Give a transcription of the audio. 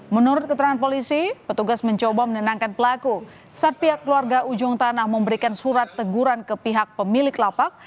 menurut keterangan polisi petugas mencoba menenangkan pelaku saat pihak keluarga ujung tanah memberikan surat teguran ke pihak pemilik lapak